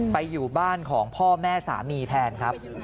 ไปอยู่บ้านของพ่อแม่สามีแทนครับ